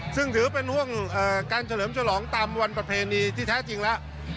ซึ่งถือเป็นห่วงการเฉลิมฉลองตามวันประเพณีที่แท้จริงแล้ว